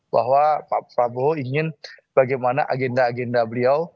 bahwa pak prabowo ingin bagaimana agenda agenda beliau